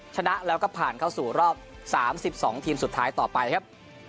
ชนะแล้วก็ผ่านเข้าสู่รอบ๓๒ทีมสุดท้ายต่อไปครับ